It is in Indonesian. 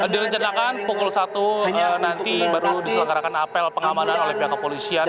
direncanakan pukul satu nanti baru diselenggarakan apel pengamanan oleh pihak kepolisian